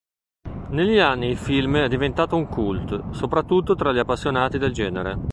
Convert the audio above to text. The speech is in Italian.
Negli anni il film è diventato un cult, soprattutto tra gli appassionati del genere.